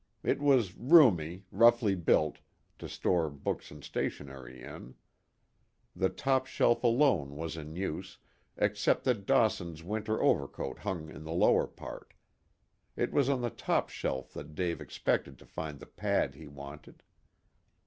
It was roomy, roughly built, to store books and stationery in. The top shelf alone was in use, except that Dawson's winter overcoat hung in the lower part. It was on the top shelf that Dave expected to find the pad he wanted.